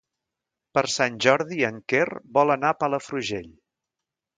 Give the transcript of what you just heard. Per Sant Jordi en Quer vol anar a Palafrugell.